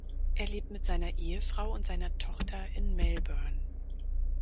Er lebt mit seiner Ehefrau und seiner Tochter in Melbourne.